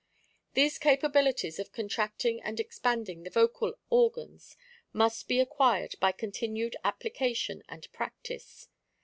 These capabilities of contracting and expanding the vocal organs must be acquired by continued application and practice.